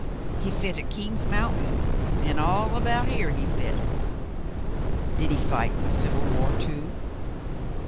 He fit at King's Mountain, an' all about here he fit." "Did he fight in the Civil War, too